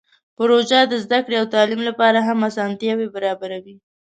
پروژه د زده کړې او تعلیم لپاره هم اسانتیاوې برابروي.